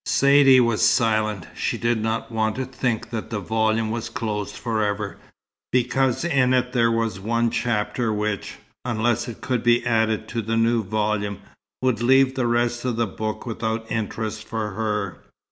Saidee was silent. She did not want to think that the volume was closed for ever, because in it there was one chapter which, unless it could be added to the new volume, would leave the rest of the book without interest for her.